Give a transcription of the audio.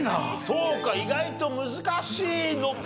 そうか意外と難しいのか。